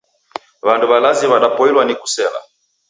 W'andu w'alazi w'adapoilwaa ni kusela.